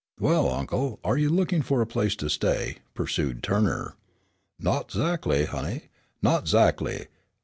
"Well, uncle, are you looking for a place to stay?" pursued Turner. "Not 'zackly, honey; not 'zackly.